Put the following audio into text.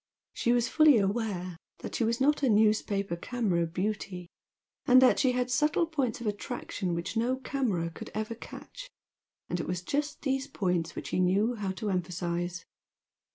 She was fully aware that she was not a newspaper camera "beauty" and that she had subtle points of attraction which no camera could ever catch, and it was just these points which she knew how to emphasise.